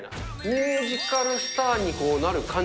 ミュージカルスターになる感